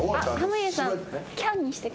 濱家さん。